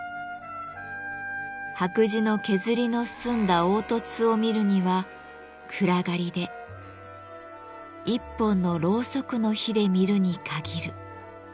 「白磁の削りの済んだ凹凸を見るには暗がりで一本のろうそくの火で見るに限る」。